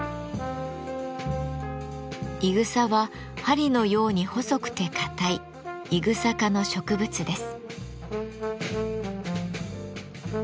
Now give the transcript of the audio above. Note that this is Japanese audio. いぐさは針のように細くて硬いイグサ科の植物です。